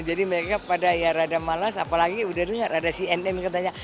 jadi mereka pada ya rada malas apalagi udah dengar ada cnn katanya